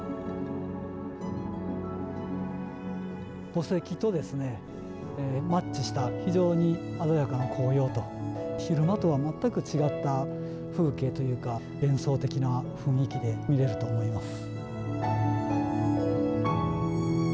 墓石とですねマッチした非常にまろやかな紅葉と昼間とは全く違った風景というか幻想的な雰囲気で見れると思います。